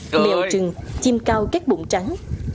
đất mèo trừng chim cao các bụng trắng